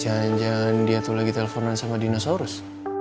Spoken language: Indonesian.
jangan jangan dia tuh lagi telponan sama dinosaurus